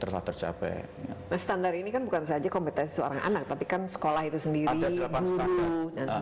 nah standar ini kan bukan saja kompetensi seorang anak tapi kan sekolah itu sendiri mustafa dan